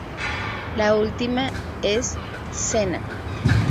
La última es cena.